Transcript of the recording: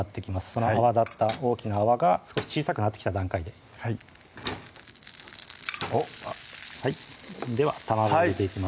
その泡立った大きな泡が少し小さくなってきた段階でおっあっでは卵を入れていきます